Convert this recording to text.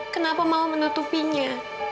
kenapa mama menutupinya